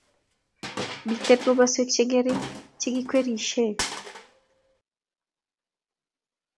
miten komoswek chengering chegikwerishe